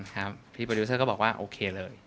ครับพี่โปรดิวเซอร์ก็บอกว่าโอเคเลย